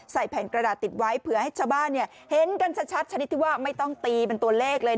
แผ่นกระดาษติดไว้เผื่อให้ชาวบ้านเห็นกันชัดชนิดที่ว่าไม่ต้องตีเป็นตัวเลขเลย